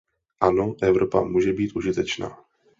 Ano, Evropa může být užitečná.